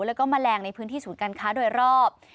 แล้วก็แมลงในพื้นที่ศูนย์การค้าโดยรอบ